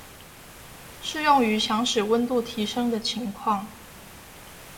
適用於想使溫度提升的情況